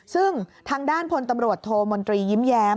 ซึ่งทางด้านพลตำรวจโทมนตรียิ้มแย้ม